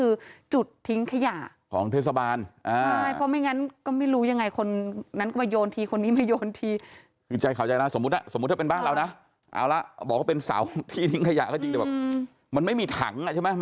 เอาละบอกว่าเป็นเสาที่นิ้งขยะก็จริงเดียวมันไม่มีถังอ่ะใช่ไหม